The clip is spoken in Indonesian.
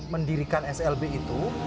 mendirikan slb itu